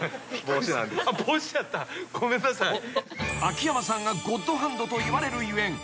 ［秋山さんがゴッドハンドと言われるゆえん。